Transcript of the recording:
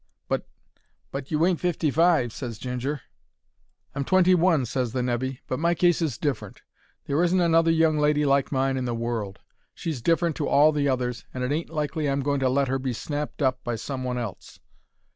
"But—but you ain't fifty five," ses Ginger. "I'm twenty one," ses the nevy, "but my case is different. There isn't another young lady like mine in the world. She's different to all the others, and it ain't likely I'm going to let 'er be snapped up by somebody else.